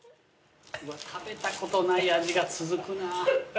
うわ食べたことない味が続くな。